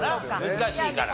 難しいから。